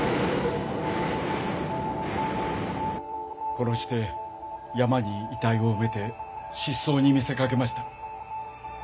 殺して山に遺体を埋めて失踪に見せ掛けました。